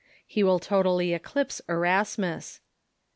He will totally eclipse Erasmus.''''